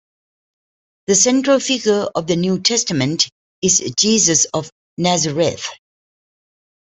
The central figure of the New Testament is Jesus of Nazareth.